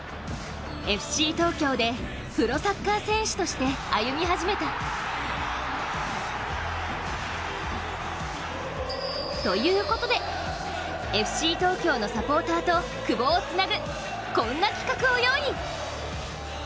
ＦＣ東京でプロサッカー選手として歩み始めた。ということで、ＦＣ東京のサポーターと久保をつなぐこんな企画を用意。